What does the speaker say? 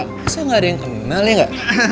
masa gak ada yang kenal ya gak